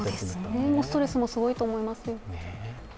ストレスもすごいと思います。